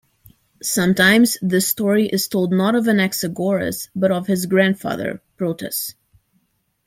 Sometimes, this story is told not of Anaxagoras, but of his grandfather, Proetus.